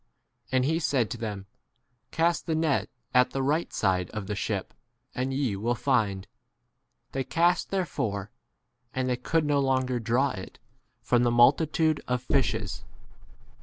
6 And he said to them, Cast the net at the right side of the ship and ye will find. They cast therefore, and they could no longer draw it, 7 from the multitude of fishes.